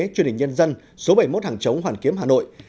truyền hình nhân dân số bảy mươi một hàng chống hoàn kiếm hà nội